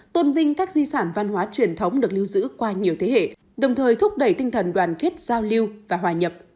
tôn vinh các di sản văn hóa truyền thống được lưu giữ qua nhiều thế hệ đồng thời thúc đẩy tinh thần đoàn kết giao lưu và hòa nhập